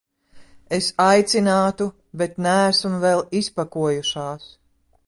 Es aicinātu, bet neesam vēl izpakojušās.